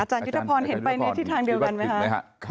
อาจารย์ยุทธพรเห็นไปที่ทางเดียวกันไหมครับ